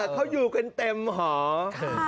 เขาอยู่กันเต็มหอ